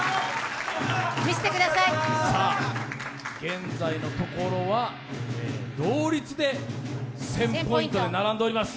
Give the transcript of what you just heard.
現在のところは同率で１０００ポイントで並んでおります。